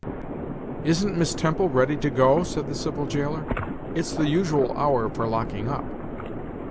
"Isn't Miss Temple ready to go?" said the civil jailer; "it's the usual hour for locking up."